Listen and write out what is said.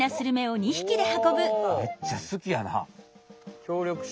めっちゃすきやな？